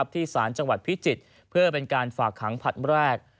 ที่สารจังหวัดพิจิตรเพื่อเป็นการฝากขังผลัดแรก